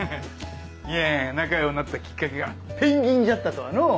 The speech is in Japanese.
いやぁ仲ようなったきっかけがペンギンじゃったとはのう。